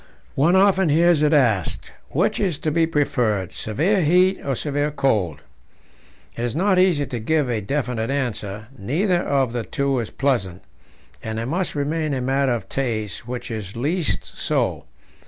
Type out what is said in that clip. One often hears it asked, Which is to be preferred, severe heat or severe cold? It is not easy to give a definite answer; neither of the two is pleasant, and it must remain a matter of taste which is least so.